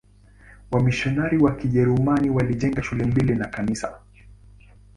Wamisionari wa Kijerumani walijenga shule mbili na kanisa.